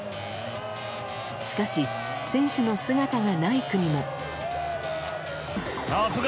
しかし、選手の姿がない国も。